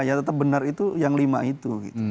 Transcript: ya tetap benar itu yang lima itu